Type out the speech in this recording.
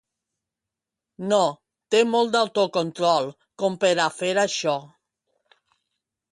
No, té molt d'autocontrol, com per a fer això.